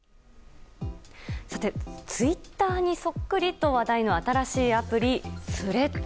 さて、ツイッターにそっくりと話題の新しいアプリスレッズ。